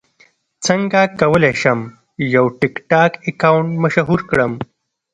څنګه کولی شم یو ټکټاک اکاونټ مشهور کړم